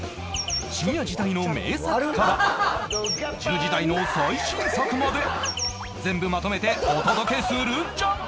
深夜時代の名作から１０時台の最新作まで全部まとめてお届けするんじゃ！！